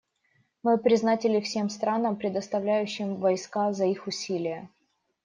Мы признательны всем странам, предоставляющим войска, за их усилия.